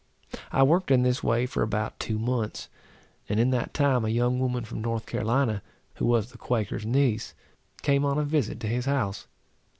I worked in this way for about two months; and in that time a young woman from North Carolina, who was the Quaker's niece, came on a visit to his house.